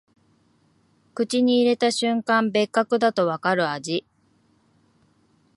口に入れた瞬間、別格だとわかる味